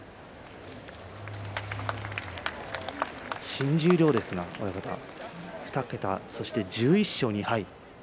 新十両ですが、２桁１１勝２敗。